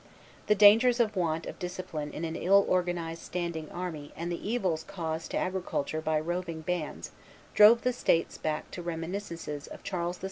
The dangers of want of discipline in an ill organized standing army and the evils caused to agriculture by roving bands drove the states back to reminiscences of Charles VII.